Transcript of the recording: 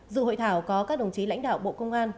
dự hội thảo có các đồng chí lãnh đạo bộ công an